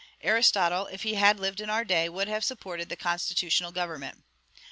Aristotle, if he had lived in our day, would have supported the constitutional government.